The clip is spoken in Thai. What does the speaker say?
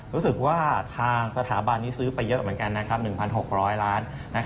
รู้สึกว่าทางสถาบันนี้ซื้อไปเยอะเหมือนกัน๑๖๐๐ล้าน